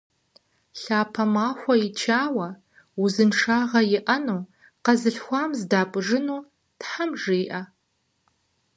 Лъапэ махуэ ичауэ, узыншагъэ иӀэну, къэзылъхуам зэдапӀыжыну Тхьэм жиӀэ!